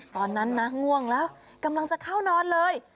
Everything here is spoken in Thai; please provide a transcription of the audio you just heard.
ตอนนั้นนะง่วงแล้วกำลังจะเข้านอนเลย